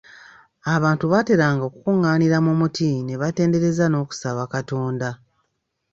Abantu baateranga okukunganira mu muti ne batendereza n'okusaba Katonda.